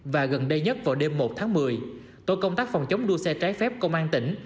và gần đây nhất vào đêm một tháng một mươi tổ công tác phòng chống đua xe trái phép công an tỉnh